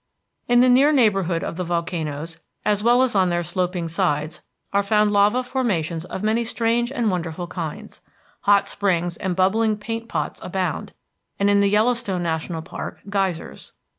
In the near neighborhood of the volcanoes, as well as on their sloping sides, are found lava formations of many strange and wonderful kinds. Hot springs and bubbling paint pots abound; and in the Yellowstone National Park, geysers.